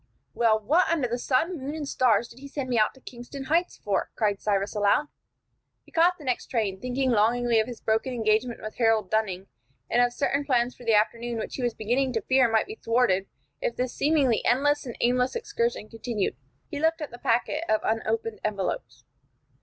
"Well, what under the sun, moon, and stars did he send me out to Kingston Heights for!" cried Cyrus aloud. He caught the next train, thinking longingly of his broken engagement with Harold Dunning, and of certain plans for the afternoon which he was beginning to fear might be thwarted if this seemingly endless and aimless excursion continued. He looked at the packet of unopened envelopes.